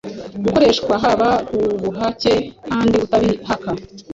gukorehwa haba kubuhake kandi utabihaka